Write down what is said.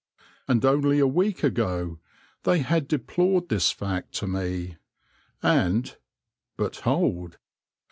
And only a week ago they had deplored this fact to me, and But hold